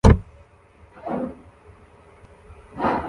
ko nyirerume eri we wemuteye inde